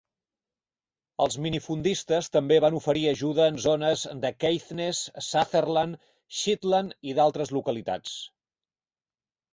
Els minifundistes també van oferir ajuda en zones de Caithness, Sutherland, Shetland i d'altres localitats.